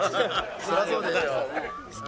そりゃそうでしょう。